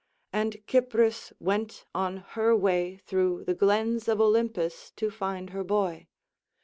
And Cypris went on her way through the glens of Olympus to find her boy.